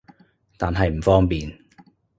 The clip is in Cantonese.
但係唔方便